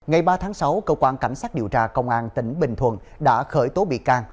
ngày ba tháng sáu cơ quan cảnh sát điều tra công an tỉnh bình thuận đã khởi tố bị can